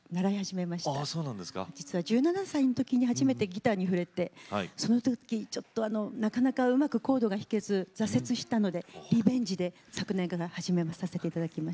実は１７歳の時に初めてギターに触れてその時ちょっとなかなかうまくコードが弾けず挫折したのでリベンジで昨年から始めさせていただきました。